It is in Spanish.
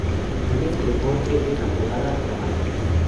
En ese deporte es apodada "La Maravilla".